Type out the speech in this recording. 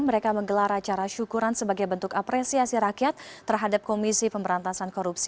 mereka menggelar acara syukuran sebagai bentuk apresiasi rakyat terhadap komisi pemberantasan korupsi